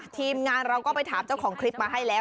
ทีมงานเราก็ไปถามเจ้าของคลิปมาให้แล้ว